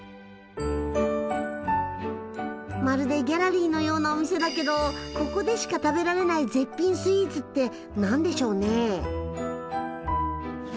まるでギャラリーのようなお店だけどここでしか食べられない絶品スイーツって何でしょうね？